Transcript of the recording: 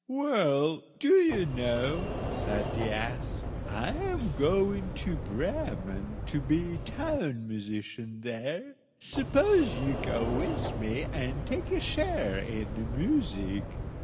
"Well, do you know," said the ass, "I am going to Bremen, to be town musician there; suppose you go with me and take a share in the music.